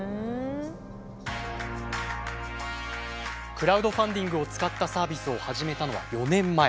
クラウドファンディングを使ったサービスを始めたのは４年前。